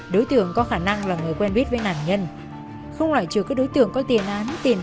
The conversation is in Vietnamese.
đối tượng có khả năng là người quen biết với nạn nhân không loại trừ các đối tượng có tiền án tiền